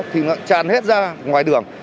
thì nó tràn hết ra ngoài đường